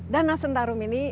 danau sentarum ini